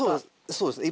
そうですね。